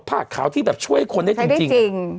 ผ้าขาวที่แบบช่วยคนได้จริง